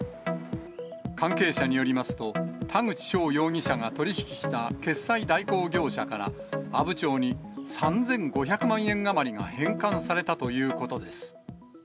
関係者によりますと、田口翔容疑者が取り引きした決済代行業者から、阿武町に３５００万円余りが返還されたということです。